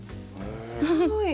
すごい。